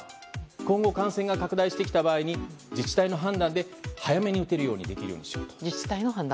今後、感染が拡大してきた場合に自治体の判断で早めに打てるようにできるようにしようと。